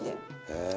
へえ。